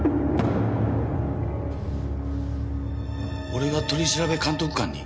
俺が取調監督官に？